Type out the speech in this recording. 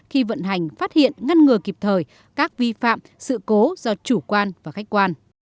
khi vận hành phát hiện ngăn ngừa kịp thời các vi phạm sự cố do chủ quan và khách quan